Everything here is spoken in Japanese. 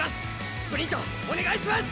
スプリントお願いします！